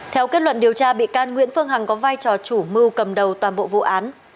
theo kết luận điều tra bị can nguyễn phương hằng có vai trò chủ mưu cầm đầu toàn bộ vụ án